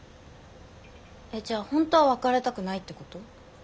えっじゃあ本当は別れたくないってこと？